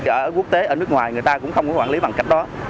cả ở quốc tế ở nước ngoài người ta cũng không có quản lý bằng cách đó